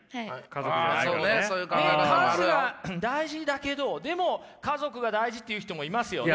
数は大事だけどでも家族が大事っていう人もいますよね。